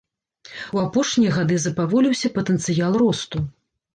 У апошнія гады запаволіўся патэнцыял росту.